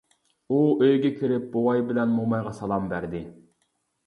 ئۇ، ئۆيگە كىرىپ بوۋاي بىلەن مومايغا سالام بەردى.